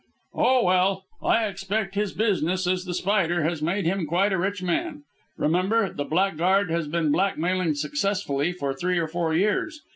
"Oh, well. I expect his business as The Spider has made him quite a rich man. Remember, the blackguard has been blackmailing successfully for three or four years.